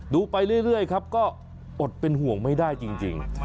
ดูไปเรื่อยครับก็อดเป็นห่วงไม่ได้จริง